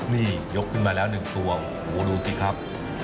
นี่ยกขึ้นมาแล้ว๑ตัวโอ้โหดูสิครับ